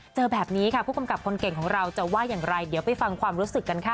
เจอแบบนี้ค่ะผู้กำกับคนเก่งของเราจะว่าอย่างไรเดี๋ยวไปฟังความรู้สึกกันค่ะ